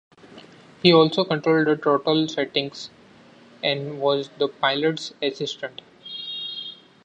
He also controlled the throttle settings and was the pilot's "assistant".